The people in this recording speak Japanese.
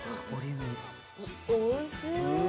おいしい。